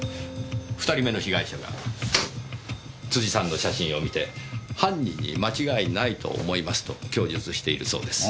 ２人目の被害者が辻さんの写真を見て「犯人に間違いないと思います」と供述しているそうです。